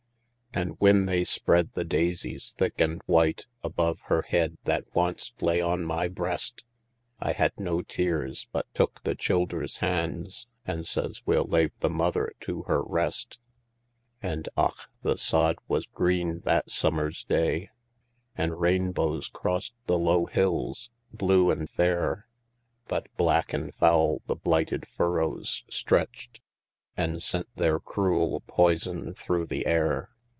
An' whin they spread the daisies thick and white, Above her head that wanst lay on my breast, I had no tears, but took the childhers' hands, An' says, "We'll lave the mother to her rest," An' och! the sod was green that summers day; An' rainbows crossed the low hills, blue an' fair; But black an' foul the blighted furrows stretched, An' sent their cruel poison through the air.